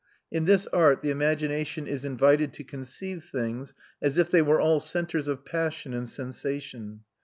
In this art the imagination is invited to conceive things as if they were all centres of passion and sensation.